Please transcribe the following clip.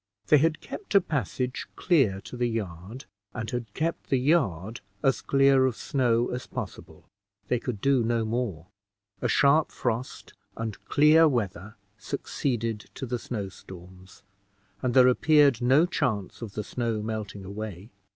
They had kept a passage clear to the yard, and had kept the yard as clear of snow as possible: they could do no more. A sharp frost and clear weather succeeded to the snow storms, and there appeared no chance of the snow melting away.